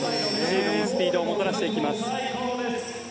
スピードをもたらしていきます。